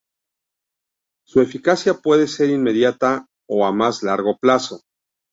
Su eficacia puede ser inmediata o a más largo plazo.